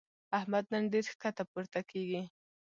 احمد نن ډېر ښکته پورته کېږي.